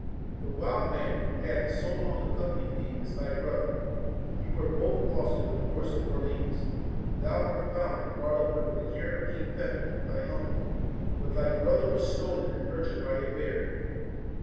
The wild man, who hath so long accompanied thee, is thy brother. You were both lost in the forest of Orleans. Thou wert found and brought up under the care of King Pepin thy uncle, but thy brother was stolen and nurtured by a bear.